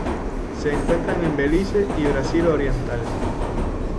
Se encuentran en Belice y Brasil oriental.